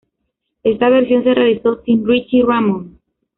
Esta versión se realizó sin Richie Ramone.